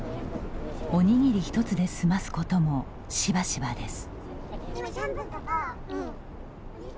おにぎり１つで済ますこともしばしばです。